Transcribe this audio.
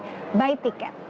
saya mau membeli tiket